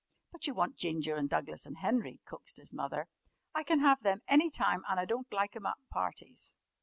"But you want Ginger and Douglas and Henry," coaxed his Mother. "I can have them any time an' I don't like 'em at parties.